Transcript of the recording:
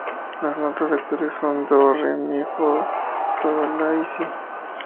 Las notas actuales son: "do, re, mi, fa, sol, la" y "si".